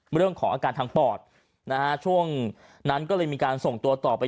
เรื่องของอาการทางปอดนะฮะช่วงนั้นก็เลยมีการส่งตัวต่อไป